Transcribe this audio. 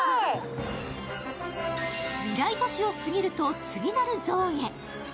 未来都市を過ぎると次なるゾーンへ。